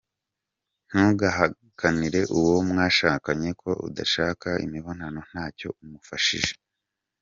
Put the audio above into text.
Ntugahakanire uwo mwashakanye ko udashaka imibonano ntacyo umufashije.